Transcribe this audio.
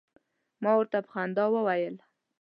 ما ورته په خندا وویل.